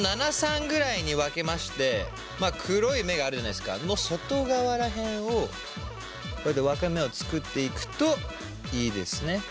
７３ぐらいに分けまして黒い目があるじゃないですかの外側ら辺をこうやって分け目を作っていくといいですね。